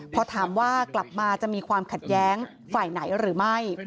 พอถามว่ากลับมาจะมีความขัดแย้งฝ่ายไหนหรือไม่